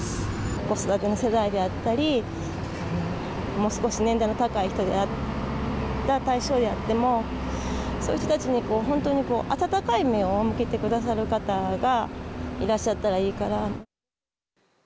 子育て世代であったりもう少し年代の高い人であった対象であってもそういう人たちに本当に温かい目を向けてくださる方がいらっしゃったらいいかな。